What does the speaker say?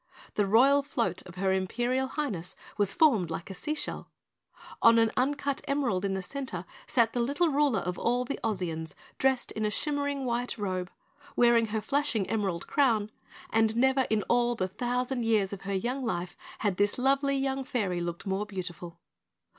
The Royal Float of Her Imperial Highness was formed like a sea shell. On an uncut emerald in the center sat the little Ruler of all the Ozians dressed in a shimmering white robe, wearing her flashing emerald crown and never in all the thousand years of her young life had this lovely young fairy looked more beautiful.